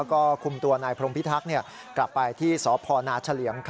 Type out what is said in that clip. ก็คุมตัวนายพรมพิทักษ์กลับไปที่สพนเฉลี่ยง